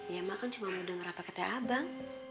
ya emang kan cuma mau denger apa kata abang